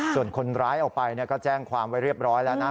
ส่วนคนร้ายเอาไปก็แจ้งความไว้เรียบร้อยแล้วนะ